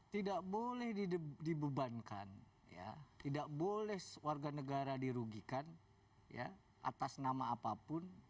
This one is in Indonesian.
tidak boleh dibebankan tidak boleh warga negara dirugikan atas nama apapun